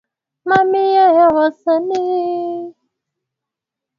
Mamia ya wasanii hasa kutoka jijini Dar es Salaam walichuana vikali